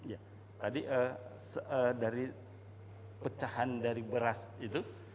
ya tadi dari pecahan dari beras itu